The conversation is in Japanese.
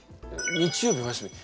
日曜日お休み。